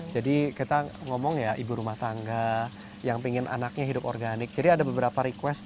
jadi kita ngomong ya ibu rumah tangga yang pingin anaknya hidup organik jadi ada beberapa request